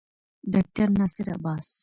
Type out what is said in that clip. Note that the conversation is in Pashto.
ډاکټر ناصر عباس